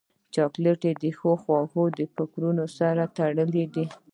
چاکلېټ د ښو خوږو فکرونو سره تړلی دی.